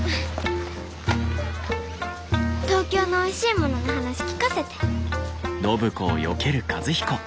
東京のおいしいものの話聞かせて。